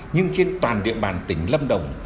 nhưng trên toàn địa bàn tỉnh lâm đồng